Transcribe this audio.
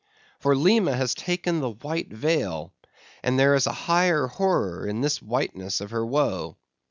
For Lima has taken the white veil; and there is a higher horror in this whiteness of her woe.